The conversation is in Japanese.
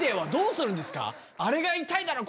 あれが痛いんだろう